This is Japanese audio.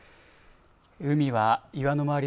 海は岩の周り